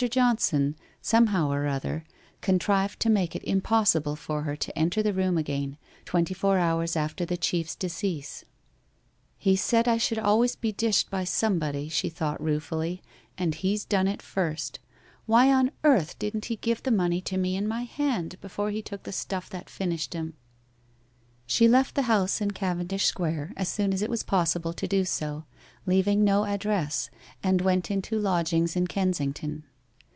Johnson, somehow or other, contrived to make it impossible for her to enter the room again, twenty four hours after the chief's decease. * He said I should always be dished by somebody !' she thought ruefully. * And he's done it first. Why on earth didn't he give the money to me in my hand before he took the stuff that finished him?' She left the house in Cavendish Square as soon as it was possible to do so, leaving no address, and went into lodg ings in Kensington.